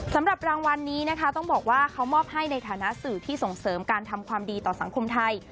สำหรับรางวัลนี้นะคะต้องบอกว่าเขามอบให้ในฐานะสื่อที่ส่งเสริมการทำความดีต่อสังคมไทย